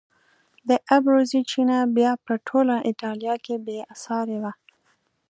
د ابروزي چینه بیا په ټوله ایټالیا کې بې سارې وه.